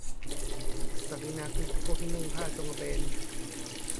ศักดินาคือพวกที่นุ่งผ้าโจงกระเบน ?